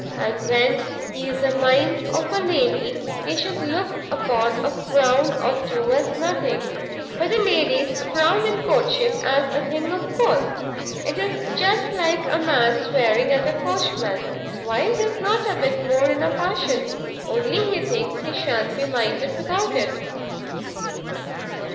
And when he's a mind of a lady, he should look upon a frown or two as nothing; for the ladies frown in courtship as a thing of course; it's just like a man swearing at a coachman; why he's not a bit more in a passion, only he thinks he sha'n't be minded without it."